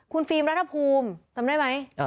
คุณฟิล์มรัฐภูมิจำได้ไหม